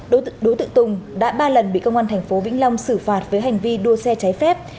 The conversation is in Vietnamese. đối tượng tùng đã ba lần bị công an thành phố vĩnh long xử phạt với hành vi đua xe trái phép